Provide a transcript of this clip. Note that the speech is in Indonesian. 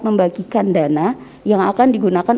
membagikan dana yang akan digunakan